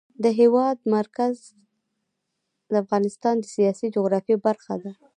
د هېواد مرکز د افغانستان د سیاسي جغرافیه برخه ده.